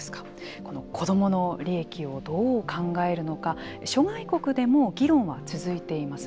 子どもの利益をどう考えるのか諸外国でも議論は続いています。